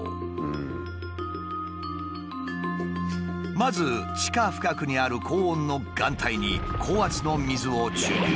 まず地下深くにある高温の岩体に高圧の水を注入。